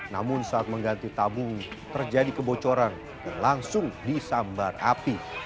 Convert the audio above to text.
namun saat mengganti tabung terjadi kebocoran dan langsung disambar api